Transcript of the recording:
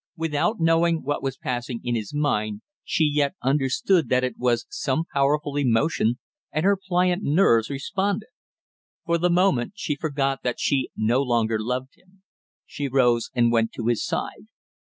Without knowing what was passing in his mind she yet understood that it was some powerful emotion, and her pliant nerves responded. For the moment she forgot that she no longer loved him. She rose and went to his side.